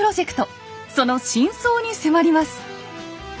その真相に迫ります。